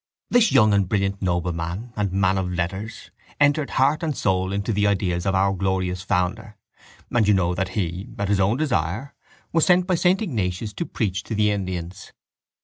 This young and brilliant nobleman and man of letters entered heart and soul into the ideas of our glorious founder and you know that he, at his own desire, was sent by saint Ignatius to preach to the Indians.